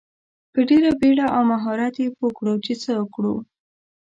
په ډیره بیړه او مهارت یې پوه کړو چې څه وکړو.